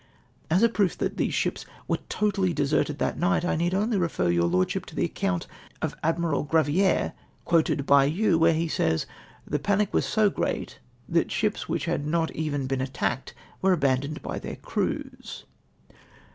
As a proof that these ships were totally deserted that night, I need only refer your Lordship to the account of Admiral Grraviere, quoted by you, where he says, 'The pa..nic was so great, that sA/^^s which had not even been attacked were abandoned by their crews.''